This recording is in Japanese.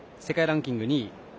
世界ランキング